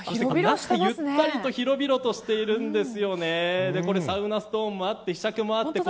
ゆったりと広々としています。